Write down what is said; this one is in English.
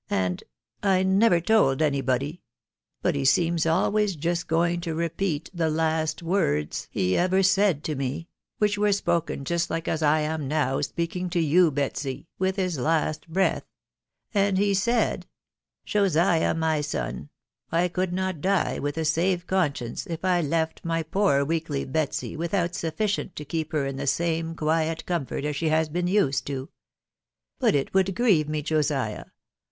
and .... I never to\o. an^ \»&v, .. bat be mems itlwayvyxnt 'going to renesA ^ie\is&^rart» the widow barnabt. 51 lie ever «said tome, which were spoken just like as I am now speaking *to you, Hetsy, with bis last breath ;.... and he said, c Josiah, my son, I could not die with a safe conscience if 1 left my poor weakly Betsy without sufficient to keep her in the same quiet comfort *as she has been used to. But it would grieve rae> Josiah'